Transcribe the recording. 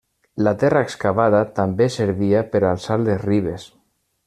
La terra excavada també servia per a alçar les ribes.